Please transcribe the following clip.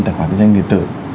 tài khoản điện tử